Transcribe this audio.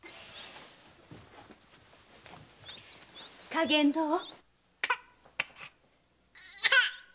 加減どう？